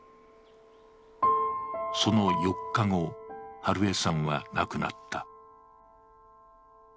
その４日後、美枝さんは亡くなった。